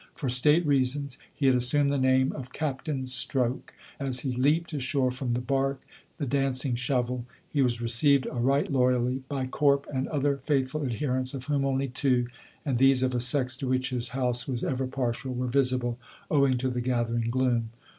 For state reasons he had assumed the name of Captain Stroke. As he leapt ashore from the bark, the Dancing Shovel, he was received right loyally by Corp and other faithful adherents, of whom only two, and these of a sex to which his House was ever partial, were visible, owing to the gathering gloom.